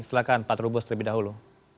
silahkan pak trubus terlebih dahulu